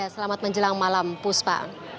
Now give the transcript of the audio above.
selamat menjelang malam puspa